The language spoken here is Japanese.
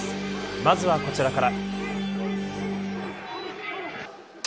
まずはこちらから。